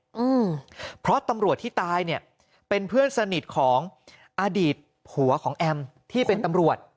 อืมเพราะตำรวจที่ตายเนี้ยเป็นเพื่อนสนิทของอดีตผัวของแอมที่เป็นตำรวจ